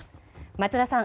松田さん